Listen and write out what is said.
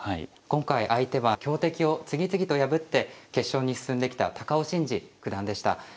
今回相手は強敵を次々と破って決勝に進んできた高尾紳路九段でした。